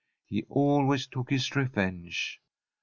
He always took his revenge.